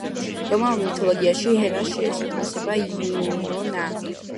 რომაულ მითოლოგიაში ჰერას შეესატყვისება იუნონა.